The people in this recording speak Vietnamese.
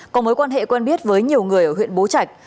có mối quan hệ quen biết với nhiều người ở huyện bố trạch